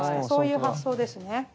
そういう発想ですね。